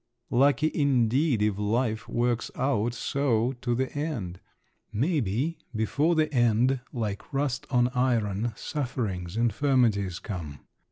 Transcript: Lucky indeed if life works out so to the end! May be, before the end, like rust on iron, sufferings, infirmities come….